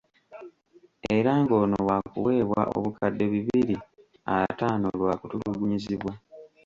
Era ng'ono waakuweebwa obukadde bibiri ataano lwakutulugunyizibwa.